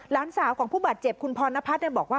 หลานสาวของผู้บาดเจ็บคุณพรณพัฒน์บอกว่า